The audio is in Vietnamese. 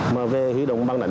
mà về huy động băng nạnh